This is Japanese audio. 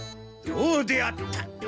どうであった？